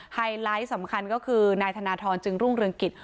ไฮไลท์สำคัญก็คือนายธนทรจึงรุ่งเรืองกิจ